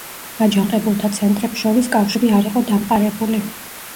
აჯანყებულთა ცენტრებს შორის კავშირი არ იყო დამყარებული.